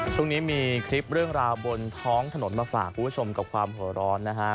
ช่วงนี้มีคลิปเรื่องราวบนท้องถนนมาฝากคุณผู้ชมกับความหัวร้อนนะฮะ